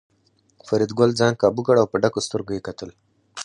فریدګل ځان کابو کړ او په ډکو سترګو یې کتل